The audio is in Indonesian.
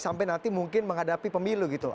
sampai nanti mungkin menghadapi pemilu gitu